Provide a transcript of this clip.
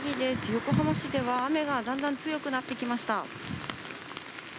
横浜市では雨がだんだん強くなってきました。